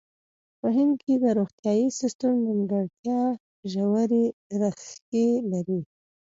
په هند کې د روغتیايي سیستم نیمګړتیا ژورې ریښې لري.